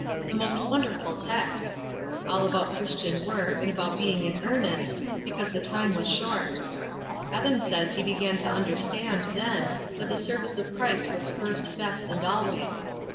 The most wonderful texts! All about Christian work, and about being in earnest, because the time was short. Evan says he began to understand, then, that the service of Christ was first, best, and always.